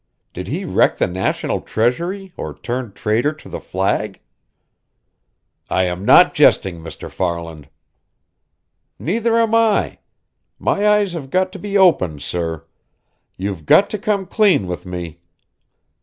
"Did he wreck the national treasury or turn traitor to the flag?" "I am not jesting, Mr. Farland." "Neither am I. My eyes have got to be opened, sir. You've got to come clean with me.